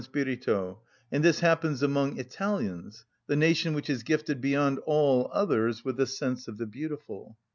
Spirito_); and this happens among Italians, the nation which is gifted beyond all others with the sense of the beautiful.